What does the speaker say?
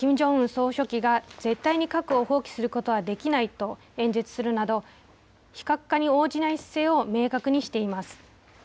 総書記が、絶対に核を放棄することはできないと演説するなど、非核化に応じない姿勢を明確にしています。